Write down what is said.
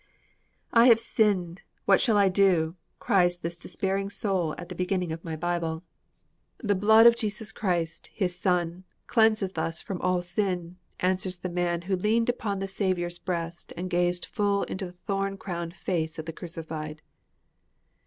'I have sinned! What shall I do?' cries this despairing soul at the beginning of my Bible. 'The blood of Jesus Christ, His Son, cleanseth us from all sin!' answers the man who leaned upon the Saviour's breast and gazed full into the thorn crowned face of the Crucified.